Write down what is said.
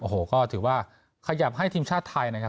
โอ้โหก็ถือว่าขยับให้ทีมชาติไทยนะครับ